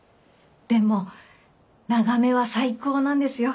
でも眺めは最高なんですよ。